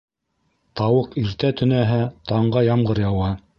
Тауыҡ иртә төнәһә, таңға ямғыр яуа.